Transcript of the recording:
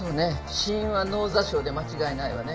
死因は脳挫傷で間違いないわね。